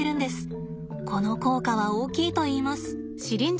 この効果は大きいといいます。